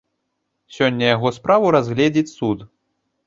Сёння яго справу разгледзіць суд.